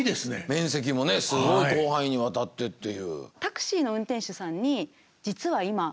面積もねすごい広範囲にわたってっていう。